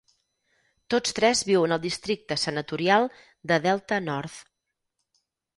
Tots tres viuen al districte senatorial de Delta North.